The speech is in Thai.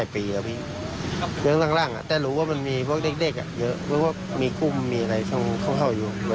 ไปเที่ยวไปขับรถมอสไซค์ไปเป็ดกุ่มอะไรอย่างนี้